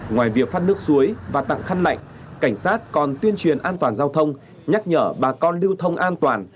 ngoài việc phát nước suối và tặng khăn lạnh cảnh sát còn tuyên truyền an toàn giao thông nhắc nhở bà con lưu thông an toàn